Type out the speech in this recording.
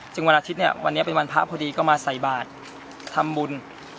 จึงวันอาทิตย์เนี่ยเป็นวันพระพฤดีก็มาใส่บาททำบุญ